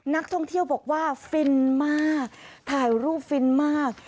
นักท่องเที่ยวบอกว่าฟินมากถ่ายรูปฟินมาก